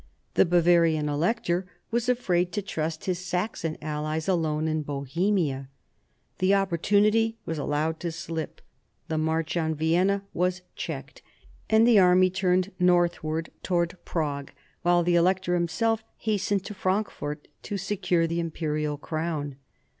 The Bavarian Elector was afraid to trust his Saxon allies alone in Bohemia. The opportunity was allowed to slip, the march on Vienna was checked ; and the army turned northward towards Prague, while the Elector himself hastened to Frankfort to secure the Imperial crown.